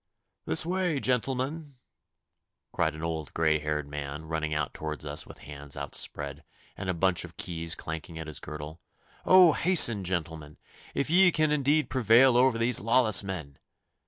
'This way, gentlemen,' cried an old grey haired man, running out towards us with hands outspread, and a bunch of keys clanking at his girdle. 'Oh hasten, gentlemen, if ye can indeed prevail over these lawless men!